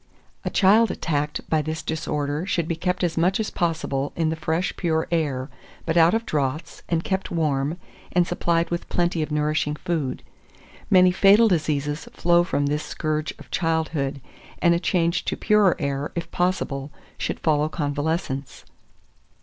A child attacked by this disorder should be kept as much as possible in the fresh, pure air, but out of draughts, and kept warm, and supplied with plenty of nourishing food. Many fatal diseases flow from this scourge of childhood, and a change to purer air, if possible, should follow convalescence.